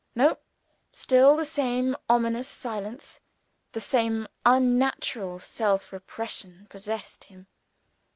No! Still the same ominous silence, the same unnatural self repression possessed him.